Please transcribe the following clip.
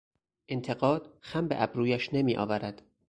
انتقاد خم به ابرویش نمیآورد.